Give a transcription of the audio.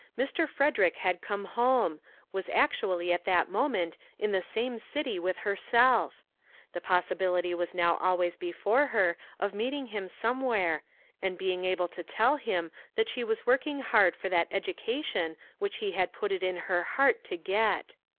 Mr. Frederick had come home ; was actu ally at that moment in the same city with her self. The possibility was now always before her of meeting him somewhere and being able 342 "THAT LITTLE MAG JESSUP" to tell him that she was working hard for that education which he had put it into her heart to get.